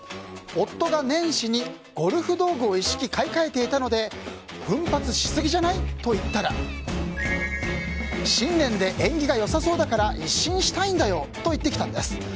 夫が年始にゴルフ道具を一式買い換えていたので奮発しすぎじゃない？と言ったら新年で縁起が良さそうだから一新したいんだよ！と言ってきたのです。